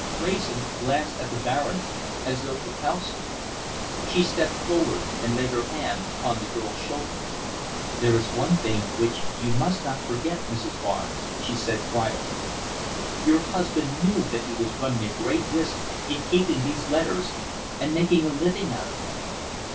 Wrayson glanced at the Baroness as though for counsel. She stepped forward and laid her hand upon the girl's shoulder. "There is one thing which you must not forget, Mrs. Barnes," she said quietly. "Your husband knew that he was running a great risk in keeping these letters and making a living out of them.